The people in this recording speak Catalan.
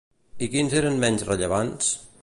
I quins eren menys rellevants?